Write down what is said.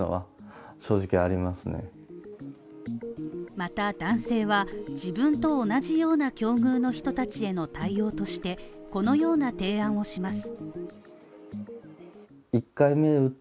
また男性は自分と同じような境遇の人たちへの対応としてこのような提案をします。